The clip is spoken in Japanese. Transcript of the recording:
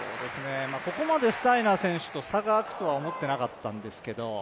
ここまでスタイナー選手と差が開くとは思っていなかったんですけど